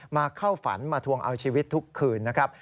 เข้าฝันมาทวงเอาชีวิตทุกคืนนะครับ